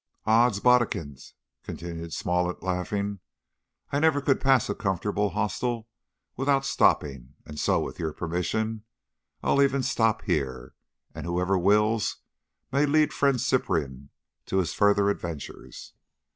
"Ods bodikins!" continued Smollett, laughing, "I never could pass a comfortable hostel without stopping, and so, with your permission, I'll e'en stop here, and whoever wills may lead friend Cyprian to his further adventures.